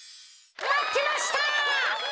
まってました。